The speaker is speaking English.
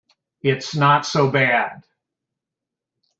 It's not so bad.